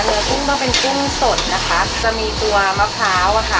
เนื้อกุ้งต้องเป็นกุ้งสดนะคะจะมีตัวมะพร้าวอ่ะค่ะ